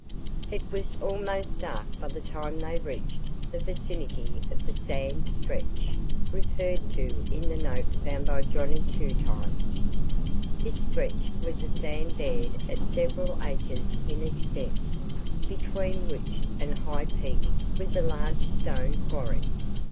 It was almost dark by the time they reached the vicinity of the "sand stretch" referred to in the note found by "Johnny Two Times." This stretch was a sand bed of several acres in extent, between which and High Peak was a large stone quarry.